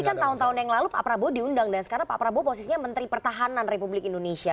tapi kan tahun tahun yang lalu pak prabowo diundang dan sekarang pak prabowo posisinya menteri pertahanan republik indonesia